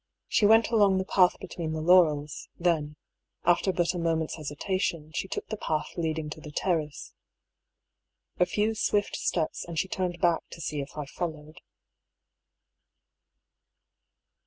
She went along the path between the laurels, then, after but a moment's hesitation, she took the path leading to the terrace. A few swift steps and she turned back to see if I followed.